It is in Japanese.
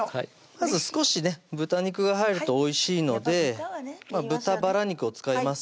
まず少しね豚肉が入るとおいしいので豚バラ肉を使います